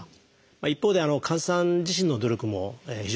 一方で患者さん自身の努力も非常に大切です。